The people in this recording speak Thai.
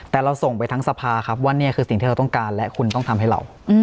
แต่เราส่งไปทั้งสภาครับว่านี่คือสิ่งที่เราต้องการและคุณต้องทำให้เรา